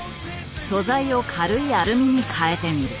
素材を軽いアルミに変えてみる。